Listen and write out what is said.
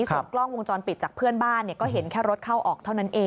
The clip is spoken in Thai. ส่วนกล้องวงจรปิดจากเพื่อนบ้านก็เห็นแค่รถเข้าออกเท่านั้นเอง